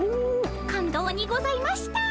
感動にございました。